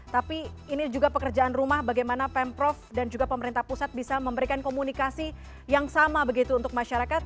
tapi ini juga pekerjaan rumah bagaimana pemprov dan juga pemerintah pusat bisa memberikan komunikasi yang sama begitu untuk masyarakat